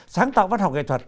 sáng tạo văn học nghệ thuật